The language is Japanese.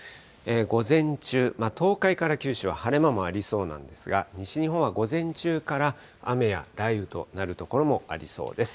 午前中、東海から九州は晴れ間もありそうなんですが、西日本は午前中から雨や雷雨となる所もありそうです。